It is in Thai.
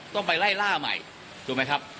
ต้องไปไล่ล่าใหม่